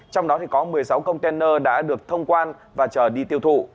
trong đó có một mươi sáu container đã được thông quan và trở đi tiêu thụ